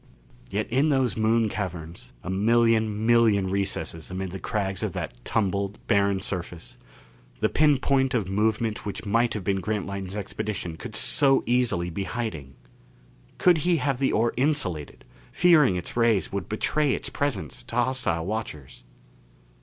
Yet in those Moon caverns a million million recesses amid the crags of that tumbled, barren surface the pin point of movement which might have been Grantline's expedition could so easily be hiding! Could he have the ore insulated, fearing its rays would betray its presence to hostile watchers?